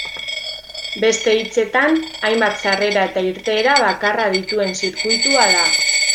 Beste hitzetan, hainbat sarrera eta irteera bakarra dituen zirkuitua da.